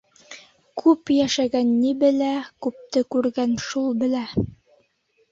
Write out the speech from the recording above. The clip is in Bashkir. Күп йәшәгән ни белә, күпте күргән шул белә.